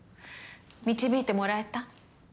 導いてもらえた？